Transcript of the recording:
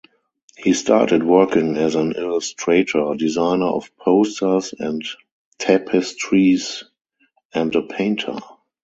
He started working as an illustrator, designer of posters and tapestries and a painter.